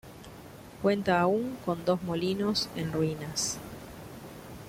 Cuenta aún con dos molinos, en ruinas.